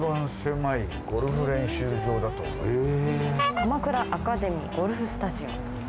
鎌倉アカデミーゴルフスタジオ。